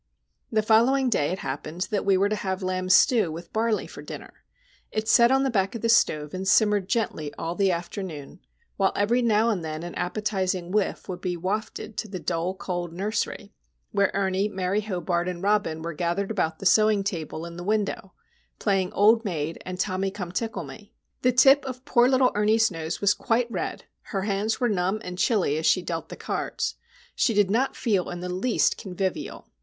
The following day it happened that we were to have lamb stew with barley for dinner. It set on the back of the stove and simmered gently all the afternoon, while every now and again an appetising whiff would be wafted to the dull cold nursery, where Ernie, Mary Hobart, and Robin were gathered about the sewing table in the window playing "Old Maid" and "Tommy Come Tickle Me." The tip of poor little Ernie's nose was quite red, her hands were numb and chilly as she dealt the cards. She did not feel in the least convivial.